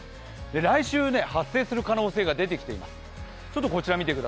来週、発生する可能性が出てきています。